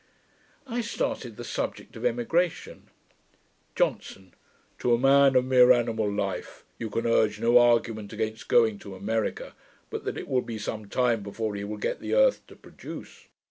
I started the subject of emigration. JOHNSON. 'To a man of mere animal life, you can urge no argument against going to America, but that it will be some time before he will get the earth to produce.